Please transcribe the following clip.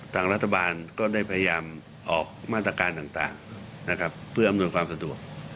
ทางรัฐบาลก็ได้พยายามออกมาตรการต่างนะครับเพื่ออำนวยความสะดวก